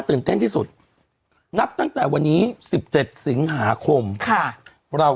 ตื่นเต้นที่สุดนับตั้งแต่วันนี้สิบเจ็ดสิงหาคมค่ะเรา